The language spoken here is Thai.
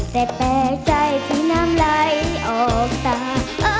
แต่แปลกใจที่น้ำไหลออกตา